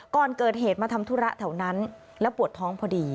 ก่อนเกิดเหตุมาทำธุระแถวนั้นแล้วปวดท้องพอดี